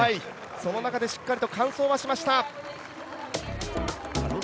その中でしっかりと完走はしました！